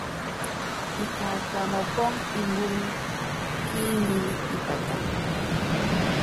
Ikaka mɔ́pɔ́ŋ imbúny kí iŋili i Pataŋ.